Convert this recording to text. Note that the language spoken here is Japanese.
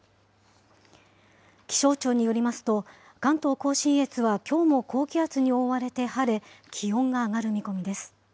気象庁によりますと、関東甲信越はきょうも高気圧に覆われて晴れ、気温が上がる見込みです。